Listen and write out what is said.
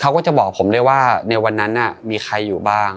เขาก็จะบอกผมได้ว่าในวันนั้นมีใครอยู่บ้าง